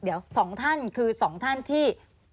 เดี๋ยว๒ท่านคือ๒ท่านที่